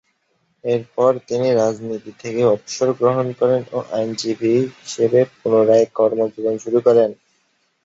এরপর তিনি রাজনীতি থেকে অবসর গ্রহণ করেন ও আইনজীবী হিসেবে পুনরায় কর্মজীবন শুরু করেন।